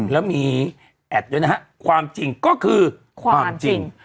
แล้วมีแอดด้วยนะฮะความจริงก็คือความจริง